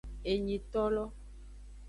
Enyitolo.